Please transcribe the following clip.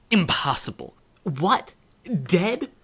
impossible! what dead!